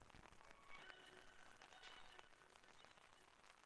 Zůstal jen historický znak a několik drobných kamenných plastik.